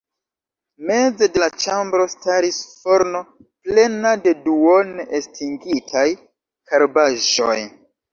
Meze de la ĉambro staris forno plena de duone estingitaj karbaĵoj.